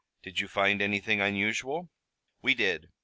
"Did you find anything unusual?" "We did.